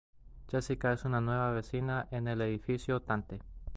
Jessica es una nueva vecina en el edificio "Dante".